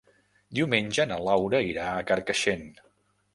Diumenge na Laura irà a Carcaixent.